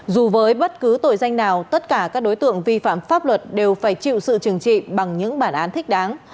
dù với bất cứ tội danh nào tất cả các đối tượng vi phạm pháp luật đều phải chịu sự trừng trị bằng những bản án thích đáng